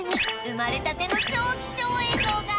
生まれたての超貴重映像が